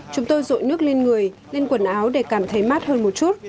chúng tôi rội nước lên người lên quần áo để cảm thấy mát hơn một chút